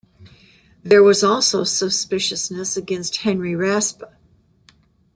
There was also suspiciousness against Henry Raspe.